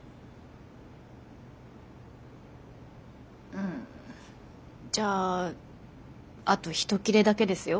うんじゃああと一切れだけですよ。